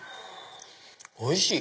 おいしい！